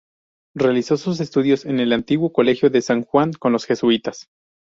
Realizó sus estudios en el antiguo Colegio de San Juan con los jesuitas.